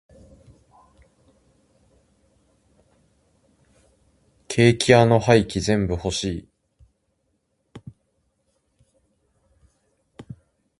ケーキ屋の廃棄全部欲しい。